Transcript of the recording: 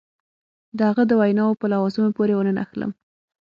د هغه د ویناوو په لوازمو پورې ونه نښلم.